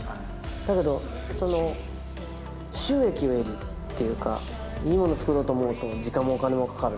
だけどその収益を得るっていうかいいもの作ろうと思うと時間もお金もかかる。